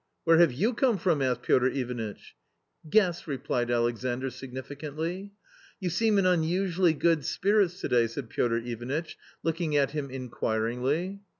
" Where have you come from ?" asked Piotr Ivanitch. " Guess," replied Alexandr significantly. " You seem in unusually good spirits to day," said Piotr Ivanitch, looking at him inquiringly.